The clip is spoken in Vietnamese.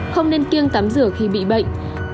không nên kiêng tắm rửa khi bị bệnh